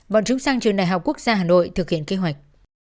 bọn chúng sang trường đại học quốc gia hà nội thực hiện kế hoạch